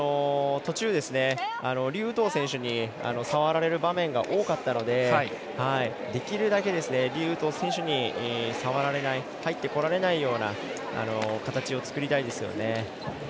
途中、劉禹とう選手に触られる場面が多かったのでできるだけ劉禹とう選手に触られない入ってこられないような形を作りたいですよね。